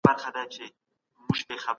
بهرنۍ تګلاره بې له تجربې نه نه پیاوړې کيږي.